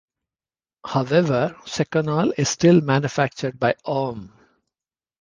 However Seconal is still manufactured by Ohm.